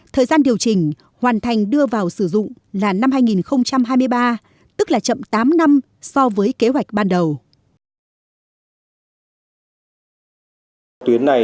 thời gian điều chỉnh hoàn thành đưa vào sử dụng là năm hai nghìn hai mươi ba